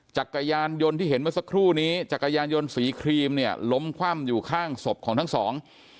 จักรยานยนต์ที่เห็นเมื่อสักครู่นี้จักรยานยนต์สีครีมเนี่ยล้มคว่ำอยู่ข้างศพของทั้งสอง